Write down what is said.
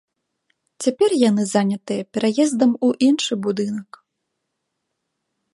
Цяпер яны занятыя пераездам у іншы будынак.